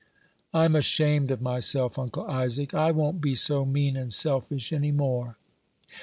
"I'm ashamed of myself, Uncle Isaac; I won't be so mean and selfish any more."